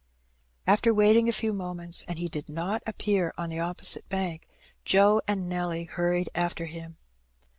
After wait ing a few moments, and he did not appear on the opposite bank, Joe and Nelly hurried after him.